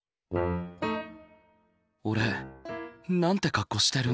俺なんて格好してるんだろう。